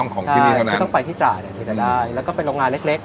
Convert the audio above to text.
ก็ต้องไปที่ตราดเนี่ยก็จะได้แล้วก็เป็นโรงงานเล็ก